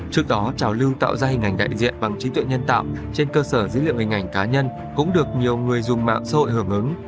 trước đó trào lưu tạo ra hình ảnh đại diện bằng trí tuệ nhân tạo trên cơ sở dữ liệu hình ảnh cá nhân cũng được nhiều người dùng mạng xã hội hưởng ứng